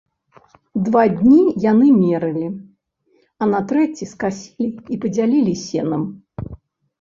Два дні яны мералі, а на трэці скасілі і падзялілі сенам.